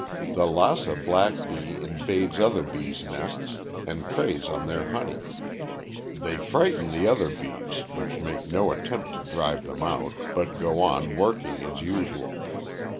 The Lassa black bee invades other bees' nests and preys on their honey. They frighten the other bees, which make no attempt to drive them out, but go on working as usual.